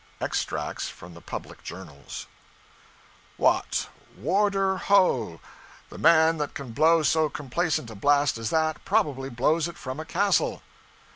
Extracts From The Public Journals.]} What, warder, ho! the man that can blow so complacent a blast as that, probably blows it from a castle.